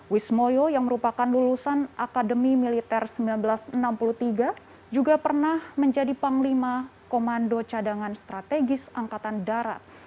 wismoyo yang merupakan lulusan akademi militer seribu sembilan ratus enam puluh tiga juga pernah menjadi panglima komando cadangan strategis angkatan darat